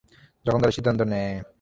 যখন তারা সিদ্ধান্ত নেয়।